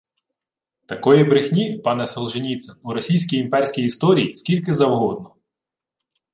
Такої брехні, пане Солженіцин, у російській імперській історії скільки завгодно: